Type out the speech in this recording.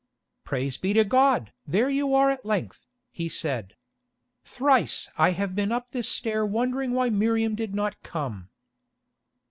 "Praise be to God! there you are at length," he said. "Thrice have I been up this stair wondering why Miriam did not come."